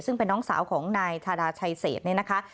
ซึ่งเป็นน้องสาวของนายทาดาชัยเศษเนี่ยนะคะ